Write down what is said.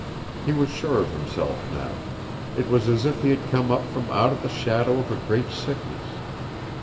He was sure of himself now. It was as if he had come up from out of the shadow of a great sickness.